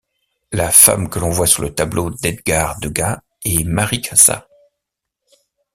La femme que l'on voit sur le tableau d'Edgar Degas est Mary Cassat.